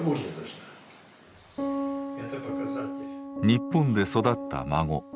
日本で育った孫。